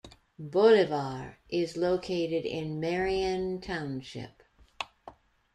Bolivar is located in Marion Township.